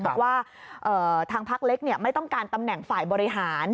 บอกว่าทางพักเล็กไม่ต้องการตำแหน่งฝ่ายบริหาร